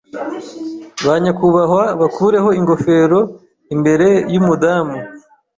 Ba nyakubahwa bakureho ingofero imbere yumudamu.